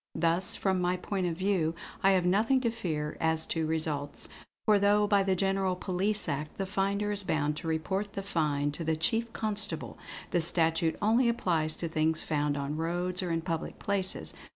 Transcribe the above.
Thus, from my point of view, I have nothing to fear as to results; for though by the General Police Act the finder is bound to report the find to the Chief Constable, the statute only applies to things found on roads or in public places.